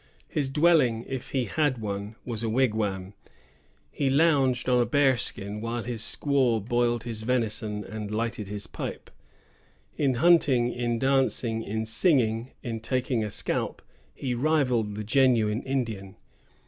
His dwelling, if he had one, was a wigwam. He lounged on a bear skin while his squaw boiled his venison and lighted his pipe. In hunting, in dancing, in singing, in taking a scalp, he rivalled the genuine Indian.